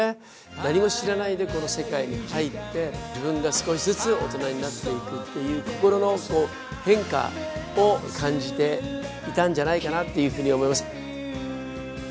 何も知らないで、この世界に入って、自分が少しずつ大人になっていくっていう心の変化を感じていたんじゃないかなというふうに思います。